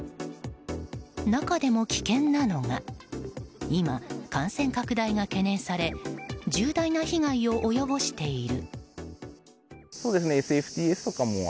中でも危険なのが今、感染拡大が懸念され重大な被害を及ぼしている。